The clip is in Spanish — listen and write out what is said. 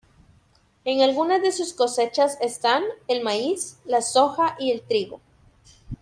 En algunas de sus cosechas están, el maíz, la soja y el trigo.